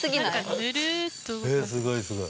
すごいすごい。